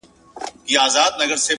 زه وايم راسه حوصله وكړو ـ